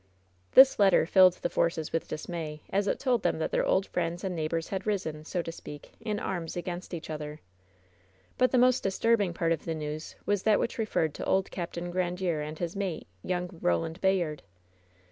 This letter filled the Forces with dismay, as it told 18 WHEN SHADOWS DIE them that their old friends and neighbors had risen, so to speak, in arms against each other. But the most disturbing part of the news was that which referred to old Capt. Grandiere and his mate, young Eoland Bayard.